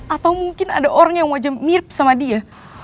atau mungkin ada orang yang wajah mirip sama dia